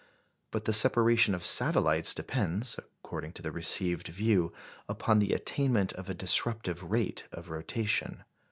But the separation of satellites depends according to the received view upon the attainment of a disruptive rate of rotation.